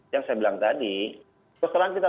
yang saya bilang tadi setelah kita